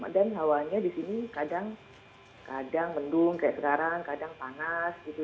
dan hawanya di sini kadang kadang mendung kayak sekarang kadang panas gitu